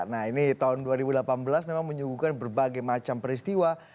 nah ini tahun dua ribu delapan belas memang menyuguhkan berbagai macam peristiwa